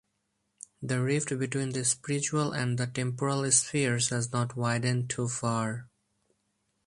The rift between the spiritual and the temporal spheres has not widened too far.